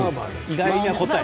意外な答え。